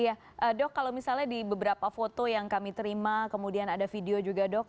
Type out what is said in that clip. iya dok kalau misalnya di beberapa foto yang kami terima kemudian ada video juga dok